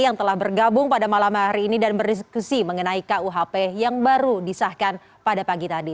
yang telah bergabung pada malam hari ini dan berdiskusi mengenai kuhp yang baru disahkan pada pagi tadi